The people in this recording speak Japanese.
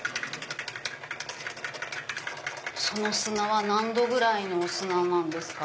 その砂は何℃ぐらいの砂なんですか？